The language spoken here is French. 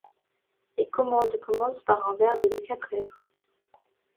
Les commandes commencent par un verbe de quatre lettres.